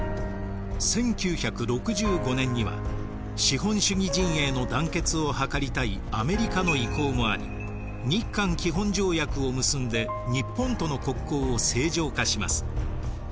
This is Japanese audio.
１９６５年には資本主義陣営の団結を図りたいアメリカの意向もあり日韓基本条約を結んで日本との国交を正常化します。